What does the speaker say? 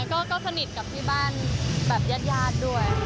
ก็สนิทกับพี่บ้านแยดด้วย